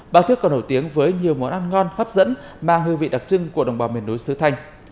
bà thước còn nổi tiếng với nhiều món ăn ngon hấp dẫn mang hương vị đặc trưng của đồng bào miền núi sứ thanh